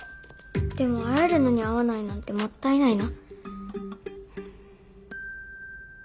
でも会えるのに会わないなんてもったいないな。